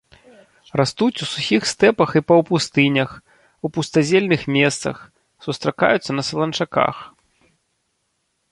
Растуць у сухіх стэпах і паўпустынях, у пустазельных месцах, сустракаюцца на саланчаках.